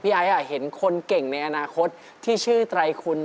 ไอ้เห็นคนเก่งในอนาคตที่ชื่อไตรคุณ